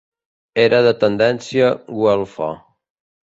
Era de tendència güelfa.